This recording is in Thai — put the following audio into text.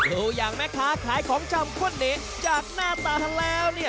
รู้อย่างไหมคะขายของช่ำข้วนเนธจากหน้าตาทั้งแล้ว